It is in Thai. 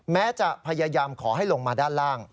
แม้จะพยายามขอให้ลงมาด้านล่าง